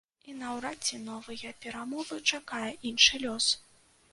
І наўрад ці новыя перамовы чакае іншы лёс.